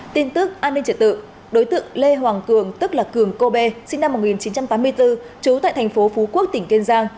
tin tức an ninh trợ tự đối tượng lê hoàng cường tức là cường cô bê sinh năm một nghìn chín trăm tám mươi bốn trú tại thành phố phú quốc tỉnh kiên giang